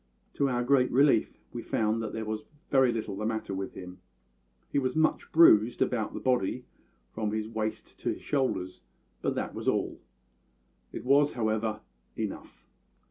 To our great relief, we found that there was very little the matter with him; he was much bruised about the body, from his waist to his shoulders, but that was all. It was, however, enough.